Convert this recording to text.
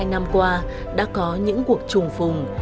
thông qua đã có những cuộc trùng phùng